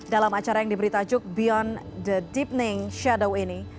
dalam acara yang diberi tajuk beyond the deepning shadow ini